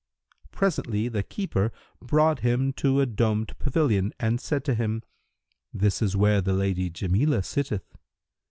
Presently, the keeper brought him to a domed pavilion and said to him, "This is where the Lady Jamilah sitteth."